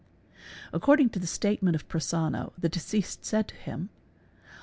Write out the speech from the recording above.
According to the statement _ of Prosonno, the deceased said to him.